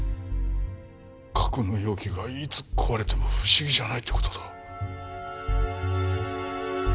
格納容器がいつ壊れても不思議じゃないってことだ。